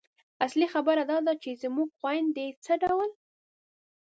اصلي خبره دا ده چې زموږ خویندې څه ډول